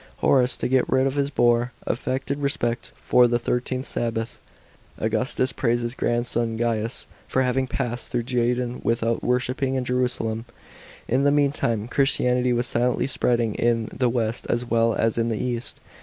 Horace, to get rid of his bore, afifecUd respect for "the thirtieth Sabbath." * Augustus praised his grandson Gaius for having passed through Juden without worshipping in Jerusalem. § 23. In the meantime, Christianity was silently spreading in the west as well as in the east.